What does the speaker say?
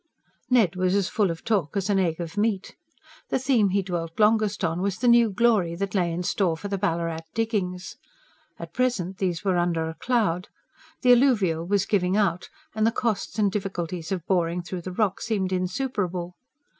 Ned was as full of talk as an egg of meat. The theme he dwelt longest on was the new glory that lay in store for the Ballarat diggings. At present these were under a cloud. The alluvial was giving out, and the costs and difficulties of boring through the rock seemed insuperable.